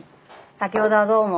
先ほどはどうも。